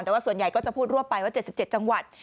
แต่ว่าส่วนใหญ่ก็จะพูดรวบไปว่า๗๗จังหวัด